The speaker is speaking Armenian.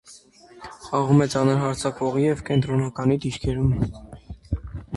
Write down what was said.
Խաղում է ծանր հարձակվողի և կենտրոնականի դիրքերում։